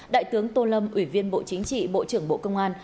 đại tướng tô lâm ủy viên bộ chính trị bộ trưởng bộ công an